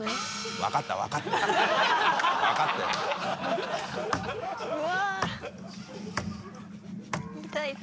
わかったわかった。